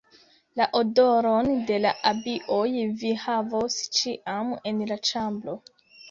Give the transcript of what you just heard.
La odoron de la abioj vi havos ĉiam en la ĉambro.